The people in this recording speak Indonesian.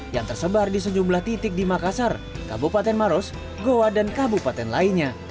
yang tersebar di sejumlah titik di makassar kabupaten maros goa dan kabupaten lainnya